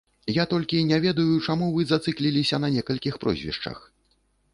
Я толькі не ведаю, чаму вы зацыкліліся на некалькіх прозвішчах.